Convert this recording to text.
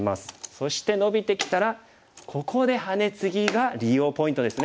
そしてノビてきたらここでハネツギが利用ポイントですね。